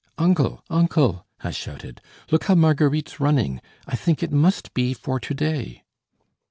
"Uncle, uncle," I shouted, "look how Marguerite's running. I think it must be for to day."